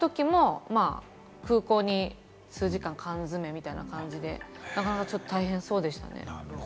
で、帰るときも空港に数時間、缶詰みたいな感じで、なかなかちょっと大変そうでしたね。